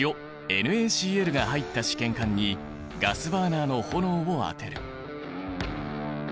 ＮａＣｌが入った試験管にガスバーナーの炎を当てる。